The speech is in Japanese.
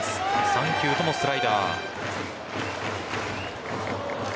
３球ともスライダー。